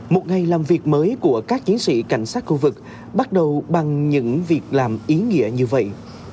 một ngày làm việc mới của các chiến sĩ cảnh sát khu vực bắt đầu bằng những việc làm ý nghĩa như vậy